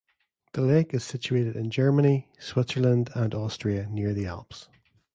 The lake is situated in Germany, Switzerland and Austria near the Alps.